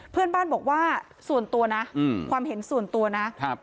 เพื่อนบ้านบอกว่าส่วนตัวนะอืมความเห็นส่วนตัวนะครับ